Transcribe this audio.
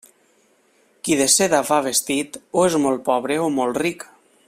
Qui de seda va vestit, o és molt pobre o molt ric.